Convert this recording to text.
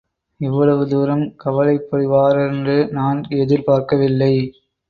இவ்வளவு தூரம் கவலைப்படுவாரென்று நான் எதிர்பார்க்கவில்லை.